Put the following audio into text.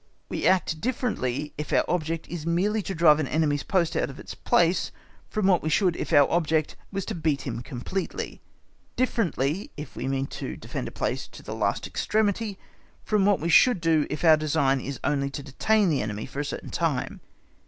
We act differently if our object is merely to drive an enemy's post out of its place from what we should if our object was to beat him completely; differently, if we mean to defend a place to the last extremity from what we should do if our design is only to detain the enemy for a certain time.